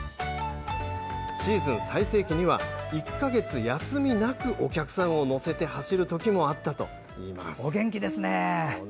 シーズン最盛期には１か月休みなくお客さんを乗せて走るときもあったといいます。